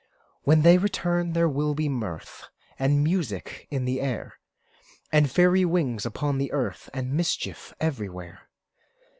When they return, there will be mirth And music in the air, And fairy wings upon the earth, And mischief everywhere.